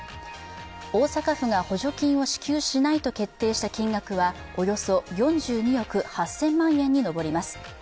大阪府が補助金を支給しないと決定した金額はおよそ４２億８０００万円に上ります。